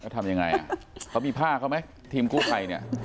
ทำยังไงเขามีผ้าเขาไหมทีมกู้ภัยเนี่ย